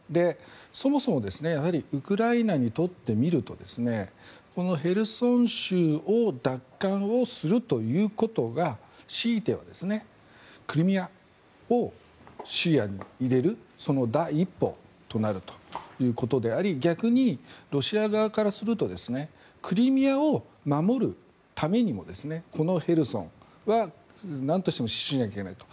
そもそもウクライナにとってみるとこのへルソン州を奪還をするということがクリミアを視野に入れる第一歩となるということであり逆にロシア側からするとクリミアを守るためにもこのヘルソンは何としても死守しなきゃいけないと。